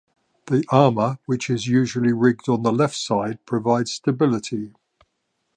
The ama, which is usually rigged on the left side, provides stability.